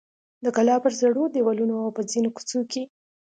د کلا پر زړو دیوالونو او په ځینو کوڅو کې.